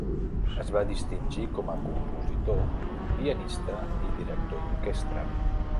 Es va distingir com a compositor, pianista i director d'orquestra.